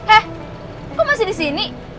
eh kok masih disini